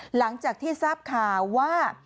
หลังจากที่ทราบข่าวว่า